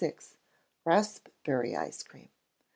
Raspberry Ice Cream.